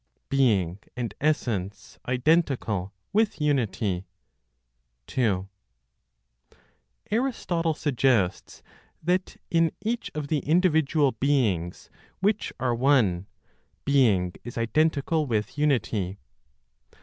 BEING AND ESSENCE IDENTICAL WITH UNITY. 2. (Aristotle) suggests that in each of the individual beings which are one, being is identical with unity.